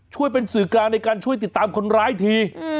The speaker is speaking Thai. ช่วยเป็นสื่อกลางในการช่วยติดตามคนร้ายที